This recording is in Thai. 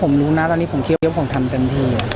ที่ผมรู้นะตอนนี้ผมเคลียร์ว่าผมทำเต็มที่